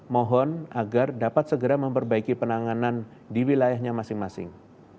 mohon agar dapat segera memperbaiki penanganan di wilayahnya masing masing